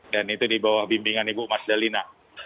dan itu di bawah bimbingan ibu mas dalina